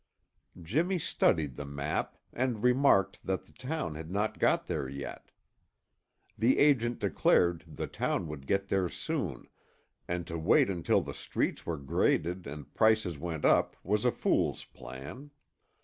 Jimmy studied the map and remarked that the town had not got there yet. The agent declared the town would get there soon, and to wait until the streets were graded and prices went up was a fool's plan.